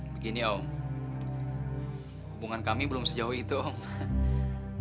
begini om hubungan kami belum sejauh itu om